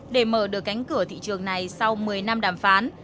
để mở được cánh cửa thị trường này sau một mươi năm đàm phán